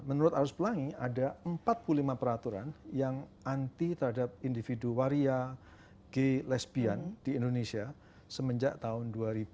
menurut arus pelangi ada empat puluh lima peraturan yang anti terhadap individu waria g lesbian di indonesia semenjak tahun dua ribu